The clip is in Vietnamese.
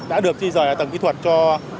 đã được di dời ở tầng kỹ thuật cho